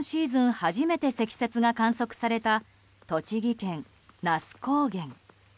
初めて積雪が観測された栃木県那須高原。